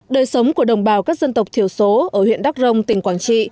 đời sống của đồng bào các dân tộc thiểu số ở huyện đắk rông tỉnh quảng trị